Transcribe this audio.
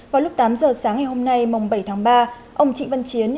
vào lúc tám giờ sáng ngày hôm nay mùng bảy tháng ba ông trịnh văn chiến